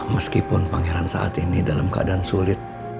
meskipun pangeran saat ini dalam keadaan sulit